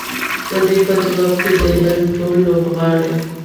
د دې په ځواب کې د هند ټول لوبغاړي